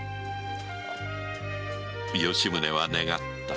吉宗は願った。